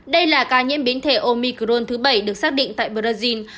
đây là ca nhiễm biến thể omicron thứ bảy được xác định tại brazil